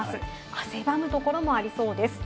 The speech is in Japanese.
汗ばむところもありそうです。